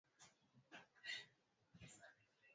na majangwa na ardhi iliyomomonyoka vumbi linalopigwa na upepo